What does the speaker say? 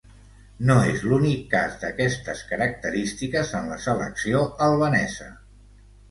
No és l’únic cas d’aquestes característiques en la selecció albanesa.